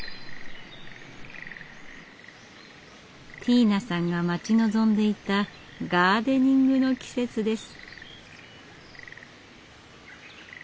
ティーナさんが待ち望んでいたガーデニングの季節です。